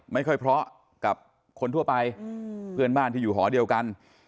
ไม่ค่อยเพราะกับคนทั่วไปเพื่อนบ้านที่อยู่หอเดียวกัน